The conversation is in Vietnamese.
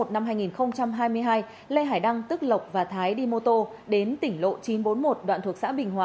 năm hai nghìn hai mươi hai lê hải đăng tức lộc và thái đi mô tô đến tỉnh lộ chín trăm bốn mươi một đoạn thuộc xã bình hòa